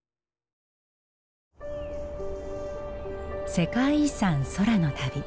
世界遺産空の旅。